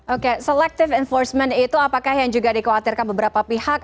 oke selective enforcement itu apakah yang juga dikhawatirkan beberapa pihak